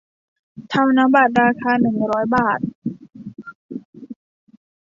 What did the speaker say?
ธนบัตรราคาหนึ่งร้อยบาท